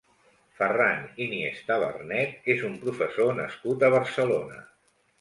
Ferran Iniesta Vernet és un professor nascut a Barcelona.